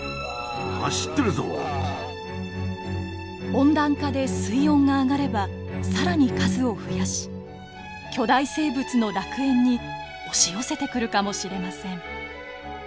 温暖化で水温が上がれば更に数を増やし巨大生物の楽園に押し寄せてくるかもしれません。